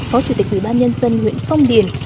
phó chủ tịch quy bán nhân dân huyện phong điền